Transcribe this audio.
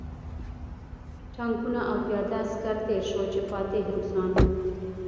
ټانکونه او پیاده عسکر تېر شول چې فاتح روسان وو